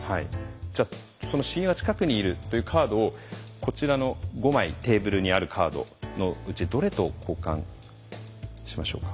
じゃあその「親友が近くにいる」というカードをこちらの５枚テーブルにあるカードのうちどれと交換しましょうか？